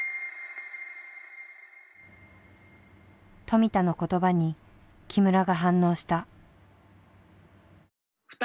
富田の言葉に木村が反応した。